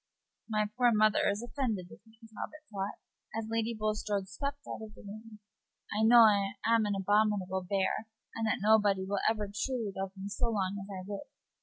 "My poor mother is offended with me," Talbot thought, as Lady Bulstrode swept out of the room. "I know I am an abominable bear, and that nobody will ever truly love me so long as I live.